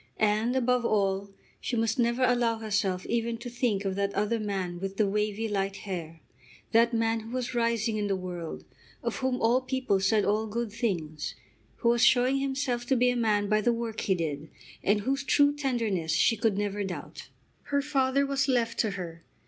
And, above all, she must never allow herself even to think of that other man with the wavy light hair, that man who was rising in the world, of whom all people said all good things, who was showing himself to be a man by the work he did, and whose true tenderness she could never doubt. Her father was left to her.